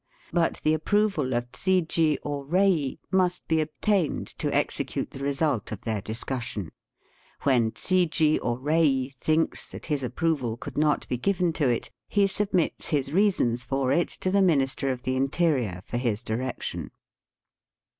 But the approval of chiji or rei must be obtained to execute the result of their dis cussion. When chiji or rei thinks that his approval could not be given to it, he submits his reasons for it to the Minister of the Interior for his direction.